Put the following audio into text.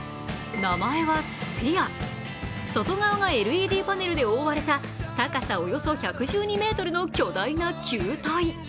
名前はスフィア、外側がＬＥＤパネルで覆われた高さおよそ１１２ｍの巨大な球体。